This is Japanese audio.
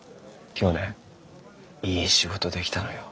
今日ねいい仕事できたのよ。